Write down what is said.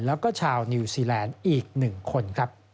และชาวนิวซีแลนด์อีก๑คน